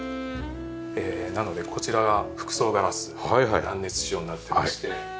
なのでこちらが複層ガラス断熱仕様になってまして。